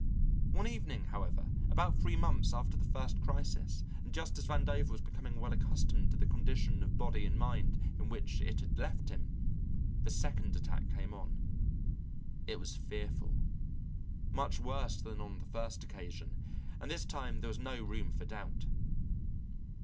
One evening, however, about three months after the first crisis and just as Vandover was becoming well accustomed to the condition of body and mind in which it had left him, the second attack came on. It was fearful, much worse than on the first occasion, and this time there was no room for doubt.